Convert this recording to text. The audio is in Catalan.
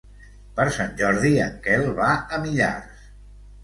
Per Sant Jordi en Quel va a Millars.